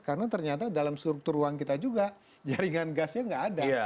karena ternyata dalam struktur ruang kita juga jaringan gasnya enggak ada